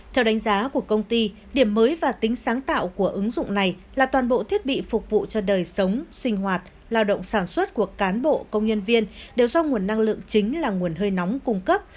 theo đánh giá của công ty điểm mới và tính sáng tạo của ứng dụng này là toàn bộ thiết bị phục vụ cho đời sống sinh hoạt lao động sản xuất của cán bộ công nhân viên đều do nguồn năng lượng chính là nguồn hơi nóng cung cấp